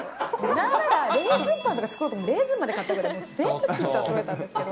なんならレーズンパンとか作ろうと思って、レーズンまで買ったぐらい、全部きっとそろえたんですけど。